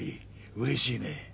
うれしいね。